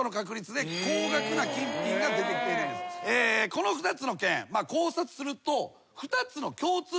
この２つの県考察すると。